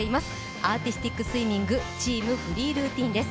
アーティスティックスイミングチーム・フリールーティンです。